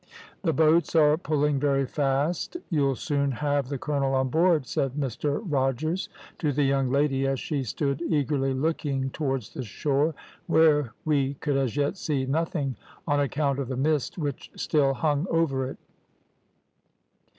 "`The boats are pulling very fast; you'll soon have the colonel on board,' said Mr Rogers to the young lady, as she stood eagerly looking towards the shore, where we could as yet see nothing on account of the mist which still hung over it.